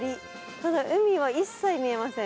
ただ海は一切見えません。